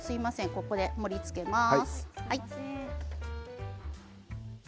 ここで盛りつけします。